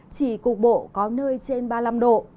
chỉ cục bộ có nơi trên ba mươi năm độ